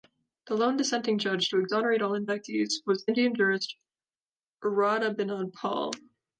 The lone dissenting judge to exonerate all indictees was Indian jurist Radhabinod Pal.